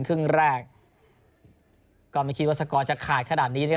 ครึ่งแรกก็ไม่คิดว่าสกอร์จะขาดขนาดนี้นะครับ